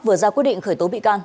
vừa ra quyết định khởi tố bị can